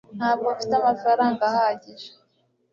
ntabwo mfite amafaranga ahagije